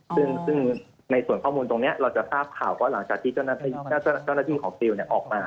ซึ่งในส่วนข้อมูลตรงนี้เราจะทราบข่าวว่าหลังจากที่เจ้าหน้าที่ของซิลออกมา